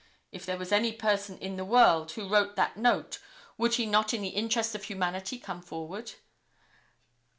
If there was any person in the world who wrote that note would he not in the interest of humanity come forward.